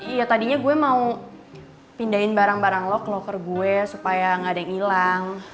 ya tadinya gue mau pindahin barang barang lo ke locker gue supaya gak ada yang ilang